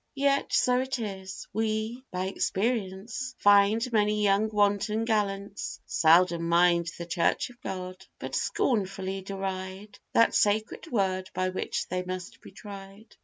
Yet so it is, we, by experience, find Many young wanton gallants seldom mind The church of God, but scornfully deride That sacred word by which they must be tried.